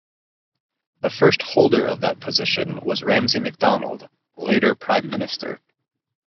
The first holder of that position was Ramsay MacDonald, later Prime Minister.